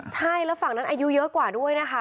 ใช่แล้วฝั่งนั้นอายุเยอะกว่าด้วยนะคะ